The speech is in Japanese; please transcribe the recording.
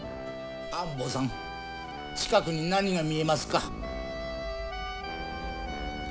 安保さん近くに何が見えますか？